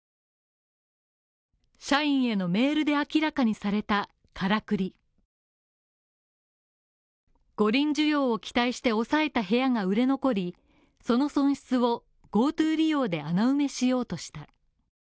社員へのメールで明らかにされたからくり五輪需要を期待して抑えた部屋が売れ残り、その損失を、ＧｏＴｏ利用で穴埋めしようとした。